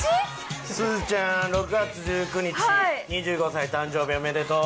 すずちゃん６月１９日２５歳誕生日おめでとう！